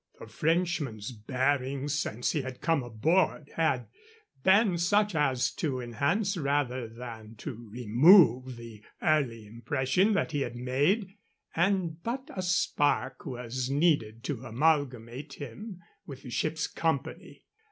The Frenchman's bearing since he had come aboard had been such as to enhance rather than to remove the early impression that he had made, and but a spark was needed to amalgamate him with the ship's company.